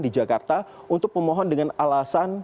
di jakarta untuk memohon dengan alasan